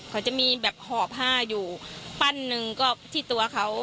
เขาจะมีแบบหอบผ้าอยู่ปั้นหนึ่งก็ที่ตัวเขา